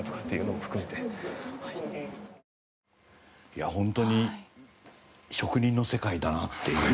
いや本当に職人の世界だなっていう。